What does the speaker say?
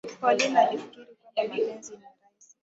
Pauline alifikiri kwamba mapenzi ni rahisi